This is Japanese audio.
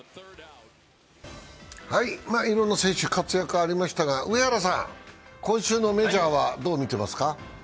いろんな選手、活躍ありましたが、上原さん、今週のメジャーは、どう見てますか？